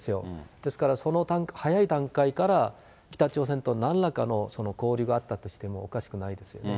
ですから、早い段階から、北朝鮮となんらかの交流があったとしてもおかしくないですよね。